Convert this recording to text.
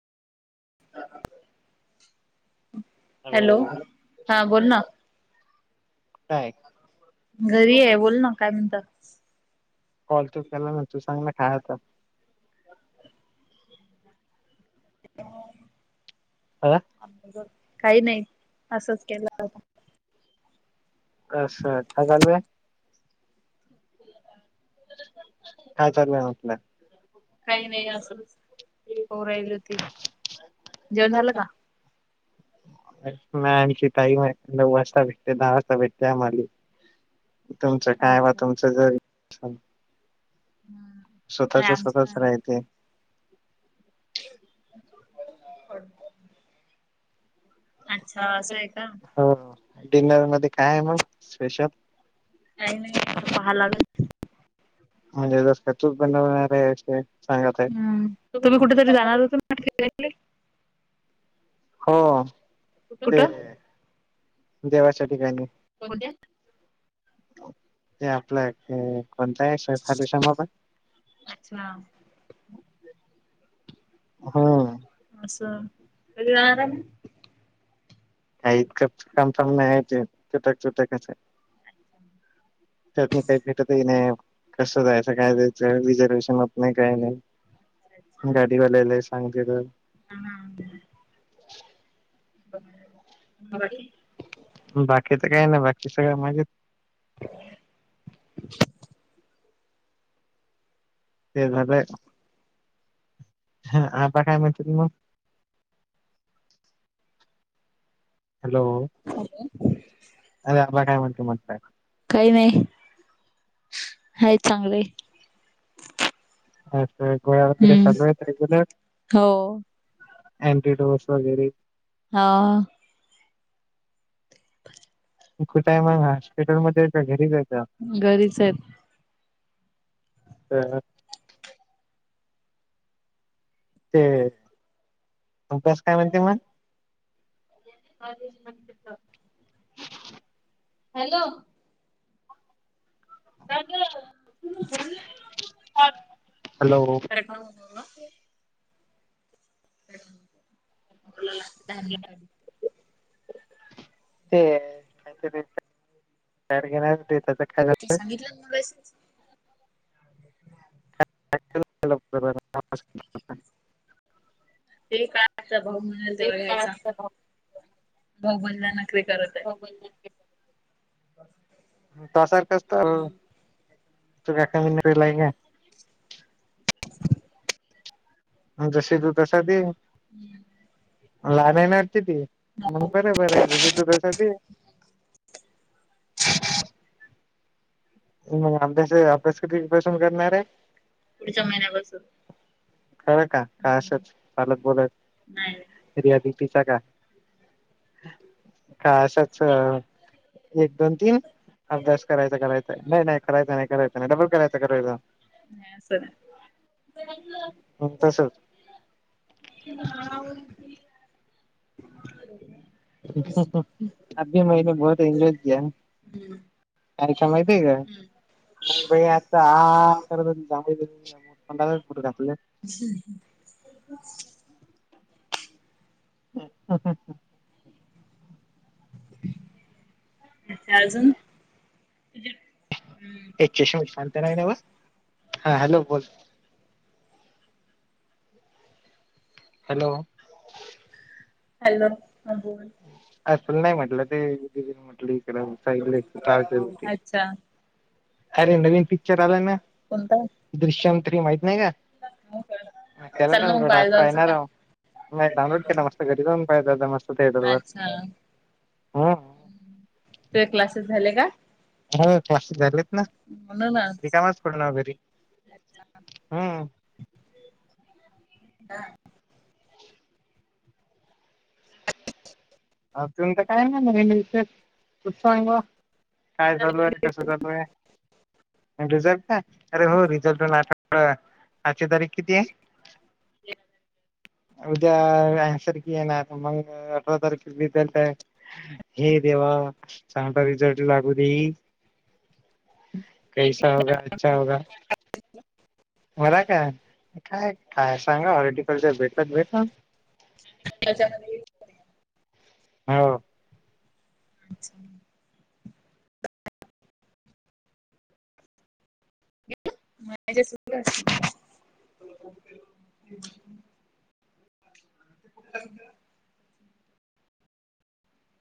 Hello. हा बोल ना. काय? घरीये बोल ना, काय म्हणता? कॉल तू केला ना. तू सांगना काय आता? ह [inaudible] आला. काही नाही असंच केला. अस. काय चालूये? काय चालुये म्हाटल? काही नाही. हो राहिली होती जेवण झालं [inaudible] का नाही आणखी टाईमे. नऊ वाजता भेटते, दहा वाजता भेटते आम्हाली. तुमचं काय बा, अच्छा तुमचं जरी नाही स्वतःच्या आमचं स्वतःच झालं. राहते. अच्छा असंय का? ह. डिनर मध्ये काये मग स्पेशल? काही नाहीये. पाहा लागन. म्हणजे जस काय तूच बनवणारे. असे सांगत आहे. हम्म तुम्ही कुठेतरी [inaudible] हो ते कुठं देवा च्या ठिकाणी. कोणत्या ते आपल्या काय कोणताय खाटूशाम बाबा. अच्छा हम्म. असं कधी जाणार आहे मग? हाय इतक पण नाही चागल. ते तुटकतुटकचे. त्यात भी काही समजत नाही. कस जायच काय जायच. रिझर्वेशन होत नाही काय नाही. अच्छा गाडीवालेलेय सांगता येत. ह ह. बाकी? बाकीत काही नाही. बाकी सगळ माजेत. हो [unintelligible] [inaudible] ते झालंय. ह आता काय म्हणतीत म? हॅलो. अ [unintelligible] अरे आबा काय म्हणती म्हटलं. [unintelligible] काही नाही. हायत चांगले. अस गोळ्या वगैरे हम्म चालूयेत रेगुलर? हो आंटीडोस वगैरे? हा. तु कुठय मग? हॉस्पिटलमध्ये की घरीचयत? घरीचेत. ह [unintelligible] ते अभ्यास काय म्हणते मग? काश मनता [unintelligible] हॅलो! हॅलो! [unintelligible] [unintelligible] बोलाला दहा मिनीटांनी. ते काहीतरी [unintelligible] ते सांगितलं ना मगाय सं स. [unintelligible] ते काय असं भाऊ म्हणेल तेव्हा यायचा. भाऊ बोलला नखरे करत. आहे. [unintelligible] त्वा सारखंच तर तु एका [unintelligible] अंन जशी तू तसा ते लहान्यान तिथे मंग बराबर आहे जशी तु तसा ते. मग अभ्यास अभ्यास कधी पासून करणार आहे. पुढच्या महिन्यात. खरं का का असंच चालत बोलत. नायरे. रियालिटीचा का. का असाच अं एक दोन तीन अभ्यास करायचा कराय. नाही नाही करायचा नाही, करायचा नाही, डबल करायचा, करायचा. नाय असं नाय. मंग तसच. [unintelligible] अभी मैने बहोत एन्जॉय किया. हूं! अरे क्या मायतीय का. नाही बाई आता आ [unintelligible] [inaudible] [unintelligible] अच्छा अजून. एक चशून शांत नाही नव्ह, हा हॅलो बोल. हॅलो! हॅलो ह बोल. अ तूल नाही म्हटलं ते दीदी ला म्हटलं इकडे साईड ला ये ते [unintelligible] होतय अच्छा अरे नवीन पिक्चर आलाय ना, कोणता? दृश्यमं तरी माहित नाही का. म्या केला चाललं मग डाउनलोड आज बाहेर जायचं पाहीना का? राव म्या डाउनलोड केला मस्त. घरी जाऊन पाहायचा आता मस्त थेटरवर. हा! [inaudible] तूये क्लासेस झाले का? हो क्लासेस झालेत ना म्हणूनच रिकामाच पडून आहो घरी हूं. हा! अ तुमचं काय म्हणणं नेमीचच तू सांगावा. काय चालू आहे, कसं चालू आहे, रिझल्ट काय अरे हो रिझल्टला आता. अ आजची तारीख किती आहे? उद्या रेयांन सरकी येणार मंग अठरा तारीख. मी तल ताय हे देवा चांगला रिझल्ट लागू देई. कैसा होगया अच्छा होगया बर काय, काय काय सांगाव हॉर्टिकल्चर भेटलं तर भेटल [inaudible] हो अच्छा! [unintelligible] [inaudible] [inaudible]